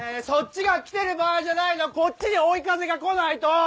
そっちが来てる場合じゃないのこっちに追い風が来ないと！